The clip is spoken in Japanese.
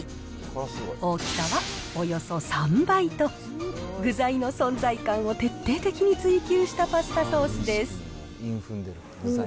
大きさはおよそ３倍と、具材の存在感を徹底的に追求したパスタソースです。